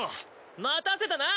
待たせたな！